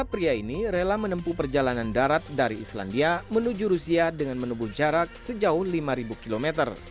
pria ini rela menempuh perjalanan darat dari islandia menuju rusia dengan menempuh jarak sejauh lima km